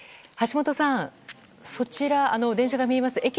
橋本さん、そちら電車が見えます